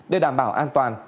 để đảm bảo an toàn